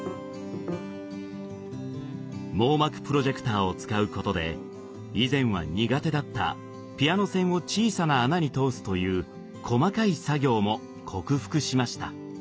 網膜プロジェクターを使うことで以前は苦手だったピアノ線を小さな穴に通すという細かい作業も克服しました。